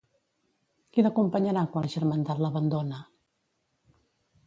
Qui l'acompanyarà quan la Germandat l'abandona?